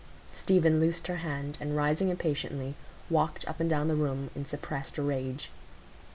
Stephen loosed her hand, and rising impatiently, walked up and down the room in suppressed rage.